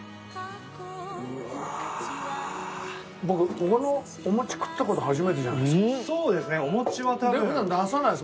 僕ここのおもち食ったこと初めてじゃないですか？